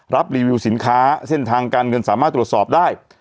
รับรีวิวสินค้าเส้นทางการเงินสามารถตรวจสอบได้